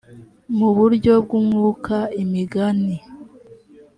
mu buryo bw umwuka imigani